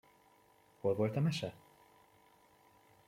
Hol volt a mese?